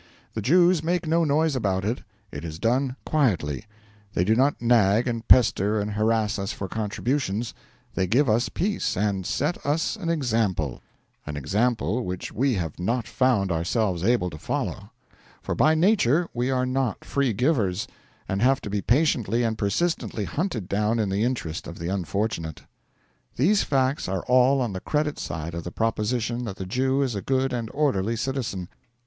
The Jews make no noise about it; it is done quietly; they do not nag and pester and harass us for contributions; they give us peace, and set us an example an example which we have not found ourselves able to follow; for by nature we are not free givers, and have to be patiently and persistently hunted down in the interest of the unfortunate. These facts are all on the credit side of the proposition that the Jew is a good and orderly citizen.